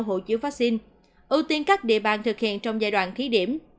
hộ chiếu vaccine ưu tiên các địa bàn thực hiện trong giai đoạn thí điểm